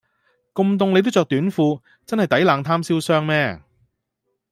咁凍你都著短褲真係抵冷貪瀟湘咩